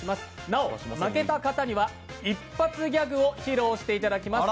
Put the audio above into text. なお負けた方には一発ギャグを披露していただきます。